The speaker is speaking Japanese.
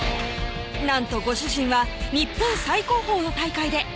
なんとご主人は日本最高峰の大会で３連覇を達成！